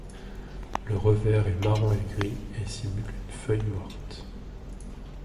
Le revers est marron et gris et simule une feuille morte.